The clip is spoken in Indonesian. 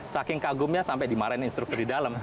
saking kagumnya sampai dimarahin instruktur di dalam